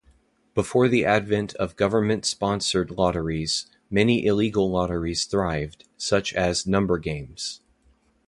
Before the advent of government-sponsored lotteries, many illegal lotteries thrived, such as number games.